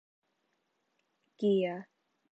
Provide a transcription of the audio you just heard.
เกียร์